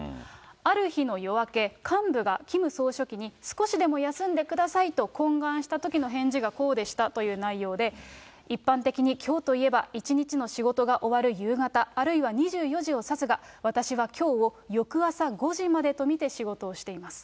ある日の夜明け、幹部がキム総書記に、少しでも休んでくださいと懇願したときの返事がこうでしたという内容で、一般的にきょうといえば、一日の仕事が終わる夕方、あるいは２４時を指すが、私はきょうを翌朝５時までと見て仕事をしています。